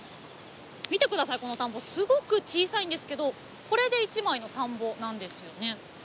見て下さいこの田んぼすごく小さいんですけどこれで１枚の田んぼなんですよね。